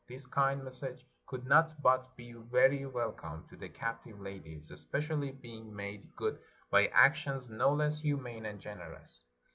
This kind message could not but be very welcome to the captive ladies, especially being made good by actions no less humane and generous.